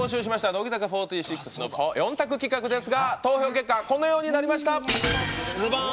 乃木坂４６の４択企画ですが投票結果、このようになりました。